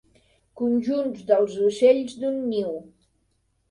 Conjunts dels ocells d'un niu.